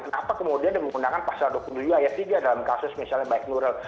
kenapa kemudian dia menggunakan pasal dua puluh tujuh ayat tiga dalam kasus misalnya baik nuril